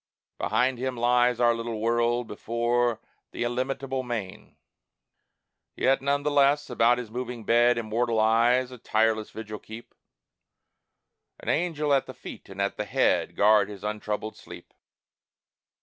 Behind him lies our little world: before The illimitable main. Yet, none the less, about his moving bed Immortal eyes a tireless vigil keep An angel at the feet and at the head Guard his untroubled sleep.